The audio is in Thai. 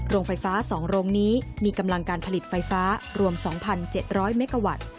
โรงไฟฟ้า๒โรงนี้มีกำลังการผลิตไฟฟ้ารวม๒๗๐๐เมกาวัตต์